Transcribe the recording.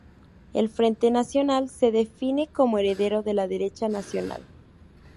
El Frente Nacional se define como heredero de la derecha nacional.